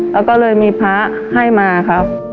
แล้วก็เลยมีพระให้มาครับ